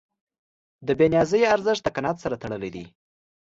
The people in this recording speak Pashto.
د بېنیازۍ ارزښت د قناعت سره تړلی دی.